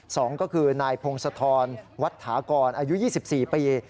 สองก็คือนายพงศธรวัตถากรอายุ๒๔ปี